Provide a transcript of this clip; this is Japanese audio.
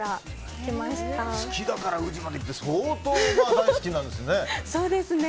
好きだから宇治までって相当大好きなんですね。